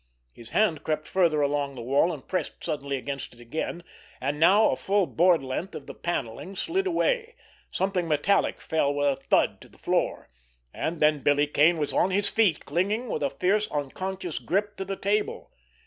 His hand crept farther along the wall, and pressed suddenly against it again, and now a full board length of the panelling slid away. Something metallic fell with a thud to the floor—and then Billy Kane was on his feet, clinging with a fierce, unconscious grip to the table.